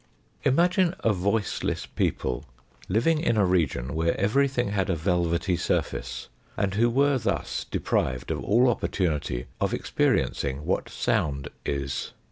Imagine a voiceless people living in a region where everything had a velvety surface, and who were thus deprived of all opportunity of experiencing what sound is.